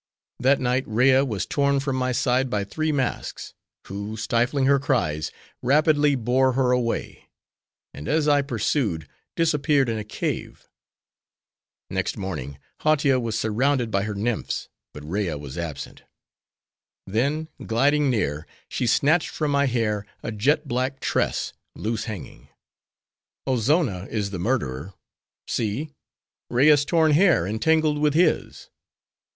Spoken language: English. That night Rea was torn from my side by three masks; who, stifling her cries, rapidly bore her away; and as I pursued, disappeared in a cave. Next morning, Hautia was surrounded by her nymphs, but Rea was absent. Then, gliding near, she snatched from my hair, a jet black tress, loose hanging. 'Ozonna is the murderer! See! Rea's torn hair entangled with his!